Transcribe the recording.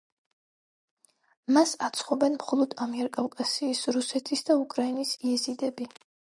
მას აცხობენ მხოლოდ ამიერკავკასიის, რუსეთის და უკრაინის იეზიდები.